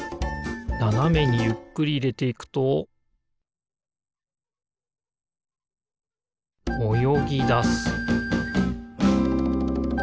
ななめにゆっくりいれていくとおよぎだす